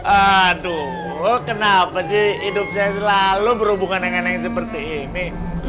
aduh kenapa sih hidup saya selalu berhubungan dengan yang seperti ini